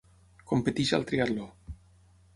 Competeix al triatló.